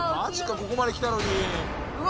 ここまできたのにうわ